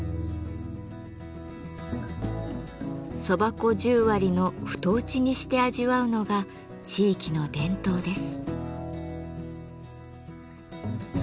蕎麦粉十割の太打ちにして味わうのが地域の伝統です。